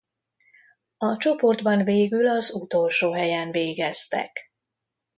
A csoportban végül az utolsó helyen végeztek.